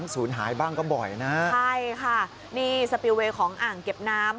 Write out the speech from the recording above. ศูนย์หายบ้างก็บ่อยนะใช่ค่ะนี่สปิลเวย์ของอ่างเก็บน้ำ